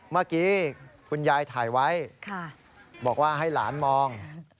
เมื่อกี้คุณยายถ่ายไว้บอกว่าให้หลานมอง